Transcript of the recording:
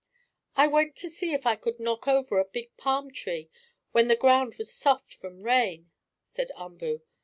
"I went to see if I could knock over a big palm tree when the ground was soft from rain," said Umboo.